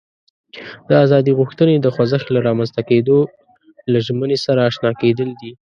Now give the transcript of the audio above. د ازادي غوښتنې د خوځښت له رامنځته کېدو له ژمینو سره آشنا کېدل دي.